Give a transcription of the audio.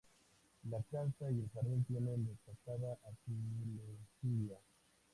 La casa y el jardín tienen destacada azulejería.